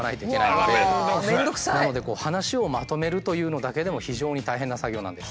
面倒くさい！なのでこう話をまとめるというのだけでも非常に大変な作業なんです。